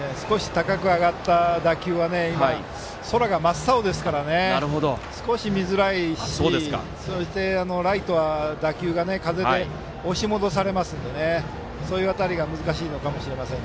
高く上がった打球ですが今、空が真っ青なので少し見づらいし、ライトは打球が風で押し戻されますのでその辺りが難しいのかもしれません。